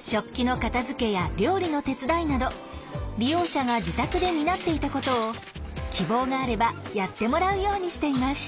食器の片づけや料理の手伝いなど利用者が自宅で担っていたことを希望があればやってもらうようにしています。